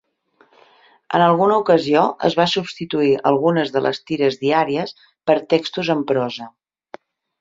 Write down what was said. En alguna ocasió es va substituir algunes de les tires diàries per textos en prosa.